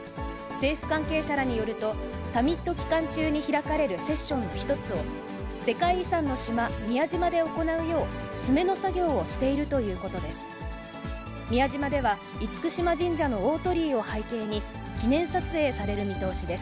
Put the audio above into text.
政府関係者らによると、サミット期間中に開かれるセッションの一つを、世界遺産の島、宮島で行うよう、詰めの作業をしているということです。